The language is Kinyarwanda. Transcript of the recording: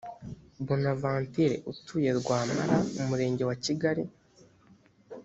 bonaventure utuye rwampara umurenge wa kigali